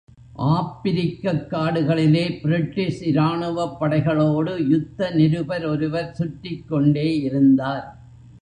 ஆப்பிரிக்கக் காடுகளிலே, பிரிட்டிஷ் இராணுவப் படைகளோடு யுத்த நிருபர் ஒருவர் சுற்றிக் கொண்டே இருந்தார்.